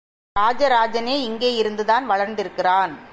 ராஜராஜனே இங்கே இருந்துதான் வளர்ந்திருக்கிறான்.